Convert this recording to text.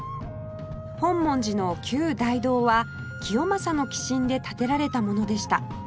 本門寺の旧大堂は清正の寄進で建てられたものでした